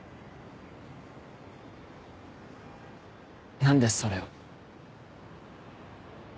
何でそれを。